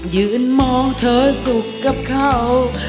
ยืนมองเธอสุขกับเขา